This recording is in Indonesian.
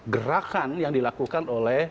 gerakan yang dilakukan oleh